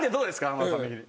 浜田さん的に。